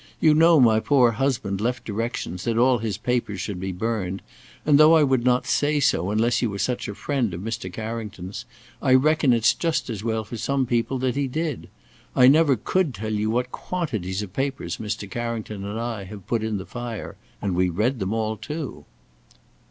You know my poor husband left directions that all his papers should be burned, and though I would not say so unless you were such a friend of Mr. Carrington's, I reckon it's just as well for some people that he did. I never could tell you what quantities of papers Mr. Carrington and I have put in the fire; and we read them all too."